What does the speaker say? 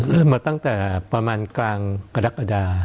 เริ่มมาตั้งแต่ประมาณกลางกรกฎา